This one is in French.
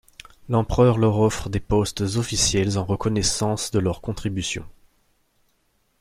L'empereur leur offre des postes officiels en reconnaissance de leur contribution.